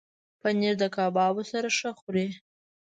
پنېر د کبابو سره ښه خوري.